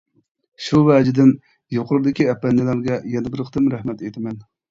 شۇ ۋەجىدىن يۇقىرىدىكى ئەپەندىلەرگە يەنە بىر قېتىم رەھمەت ئېيتىمەن.